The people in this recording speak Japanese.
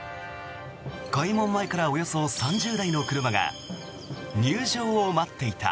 開門前からおよそ３０台の車が入場を待っていた。